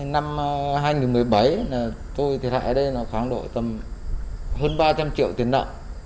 năm hai nghìn một mươi bảy tôi thiệt hại ở đây là khoảng độ tầm hơn ba trăm linh triệu tiền nợ